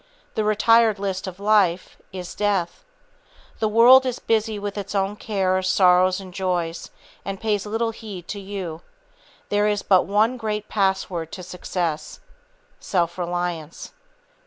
The retired list of life is, death. The world is busy with its own cares, sorrows and joys, and pays little heed to you. There is but one great password to success, self reliance.